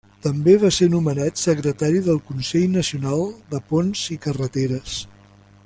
També va ser nomenat secretari del Consell Nacional de Ponts i Carreteres.